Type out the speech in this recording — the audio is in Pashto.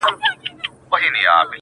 ما به ولي بې گناه خلک وژلاى.!